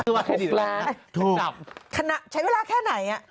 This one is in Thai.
คือว่าเครดิตออกมาถูก๖ล้านใช้เวลาแค่ไหน